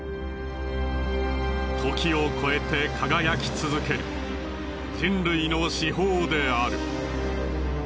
時を超えて輝き続ける人類の至宝である。